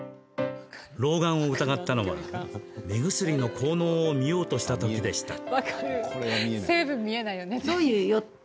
老眼を疑ったのは、目薬の効能を見ようとしたときでした。